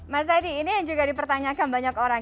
mas adi ini yang juga dipertanyakan banyak orang